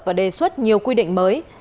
và đề xuất nhiều quy định mới